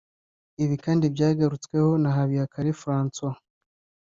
Ibi kandi byagarutsweho na Habiyakare Francois